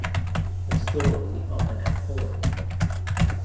The story of an Aghori.